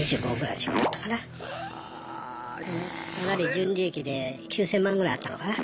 純利益で９，０００万ぐらいあったのかな。